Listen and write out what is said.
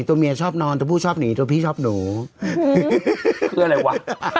ตัวเมียชอบนอนตัวผู้ชอบหนีตัวพี่ชอบหนูเพื่ออะไรวะ